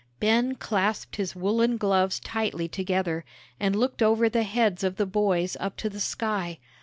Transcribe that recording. Ben clasped his woollen gloves tightly together, and looked over the heads of the boys up to the sky.